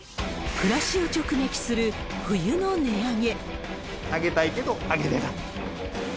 暮らしを直撃する冬の値上げ。